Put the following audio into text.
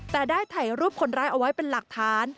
แต่ได้ถ่ายรูปคนร้ายเอาไว้เป็นหลักฐาน